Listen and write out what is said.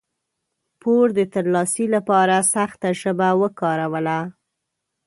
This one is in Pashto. پور د ترلاسي لپاره سخته ژبه وکاروله.